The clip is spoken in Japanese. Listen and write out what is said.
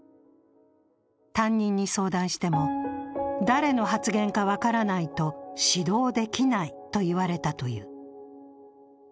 担任に相談しても、誰の発言か分からないと指導できないと言われたという。